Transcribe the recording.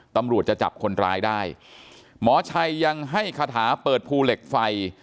ตำรวจจะจับคนร้ายได้หมอชัยยังให้คาถาเปิดภูเหล็กไฟ